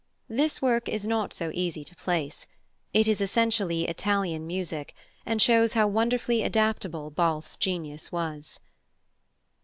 This work is not so easy to place; it is essentially Italian music, and shows how wonderfully adaptable Balfe's genius was.